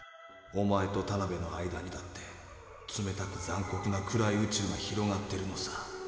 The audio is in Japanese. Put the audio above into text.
おまえとタナベの間にだって冷たく残酷な暗い宇宙が広がってるのさ。